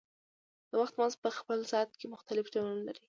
د وخت مزد په خپل ذات کې مختلف ډولونه لري